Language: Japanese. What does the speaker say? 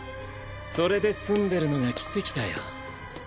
それで済んでるのが奇跡だよ。